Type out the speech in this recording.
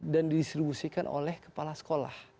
dan didistribusikan oleh kepala sekolah